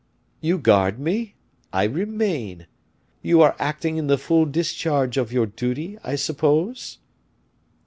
"You guard me, I remain; you are acting in the full discharge of your duty, I suppose?"